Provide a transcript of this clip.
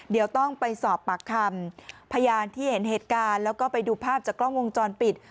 เดี๋ยวต้องไปสอบปากคำพยานที่เห็นเหตุการณ์แล้วก็ไปดูภาพจากกล้องวงจรปิด